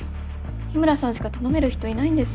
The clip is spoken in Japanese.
日村さんしか頼める人いないんです。